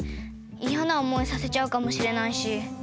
いやな思いさせちゃうかもしれないし。